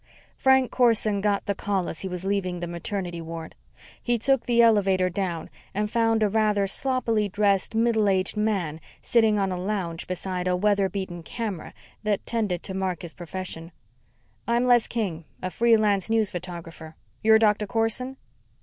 Frank Corson got the call as he was leaving the maternity ward. He took the elevator down and found a rather sloppily dressed, middle aged man sitting on a lounge beside a weather beaten camera that tended to mark his profession. "I'm Les King, a free lance news photographer. You're Doctor Corson?"